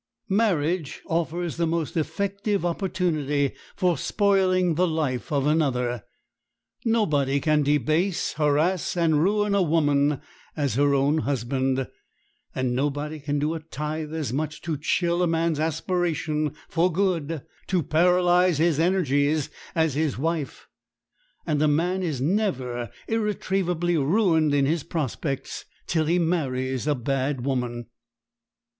Marriage offers the most effective opportunity for spoiling the life of another. Nobody can debase, harass, and ruin a woman as her own husband, and nobody can do a tithe as much to chill a man's aspiration for good, to paralyze his energies, as his wife; and a man is never irretrievably ruined in his prospects till he marries a bad woman.